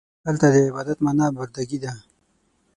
دلته د عبادت معنا برده ګي ده.